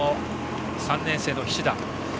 ３年生の菱田。